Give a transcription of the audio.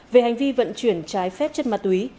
về hành vi vận chuyển trái phép chất ma túy